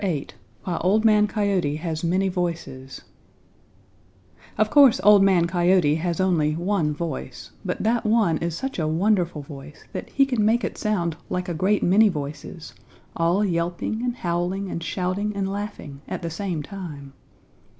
VIII WHY OLD MAN COYOTE HAS MANY VOICES Of course Old Man Coyote has only one voice, but that one is such a wonderful voice that he can make it sound like a great many voices, all yelping and howling and shouting and laughing at the same time.